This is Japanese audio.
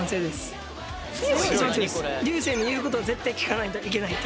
流星の言うことを絶対聞かないといけない。